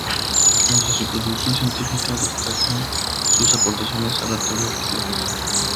Entre su producción científica, destacan sus aportaciones a la teoría arqueológica.